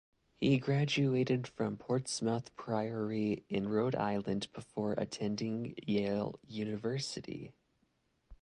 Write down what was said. He graduated from Portsmouth Priory in Rhode Island before attending Yale University.